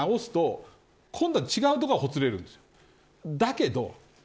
一つ、ほつれを直すと今度は違うところがほつれるんですよ。